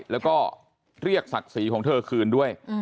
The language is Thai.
แล้วก็เรียกศักดิ์ศรีของเธอคืนด้วย